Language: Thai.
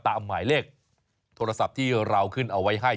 หมายเลขโทรศัพท์ที่เราขึ้นเอาไว้ให้